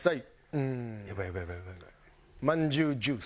「まんじゅうジュース」。